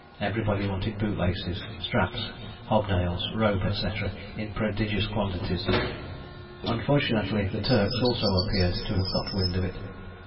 Everybody wanted bootlaces, straps, hobnails, rope, &c., in prodigious quantities. Unfortunately the Turks also appeared to have got wind of it.